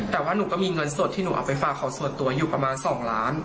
แต่ว่าหนูก็มีเงินสดที่หนูเอาไปฝากเขาส่วนตัวอยู่ประมาณ๒ล้าน